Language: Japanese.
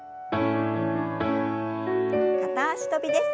片脚跳びです。